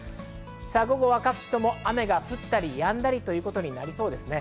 午後は各地とも雨が降ったりやんだりということになりそうです。